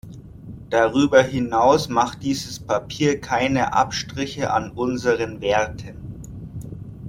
Darüber hinaus macht dieses Papier keine Abstriche an unseren Werten.